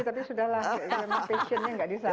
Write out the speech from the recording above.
tapi sudah lah